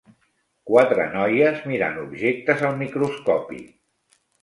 Quatre noies miren objectes al microscopi.